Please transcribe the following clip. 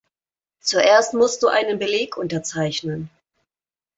Zuerst musst du einen Beleg unterzeichnen.